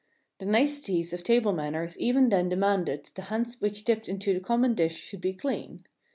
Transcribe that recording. The niceties of table manners even then de manded that the hands which dipped into the common [9J common dish should be clean.